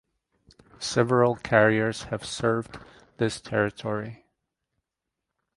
Several carriers have served this territory.